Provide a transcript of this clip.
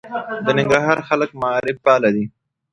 د ننګرهار خلک معارف پاله دي.